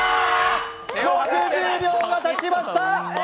６０秒がたちました。